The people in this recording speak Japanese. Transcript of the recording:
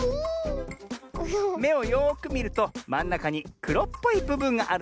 めをよくみるとまんなかにくろっぽいぶぶんがあるだろう？